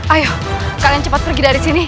ayo kalian cepat pergi dari sini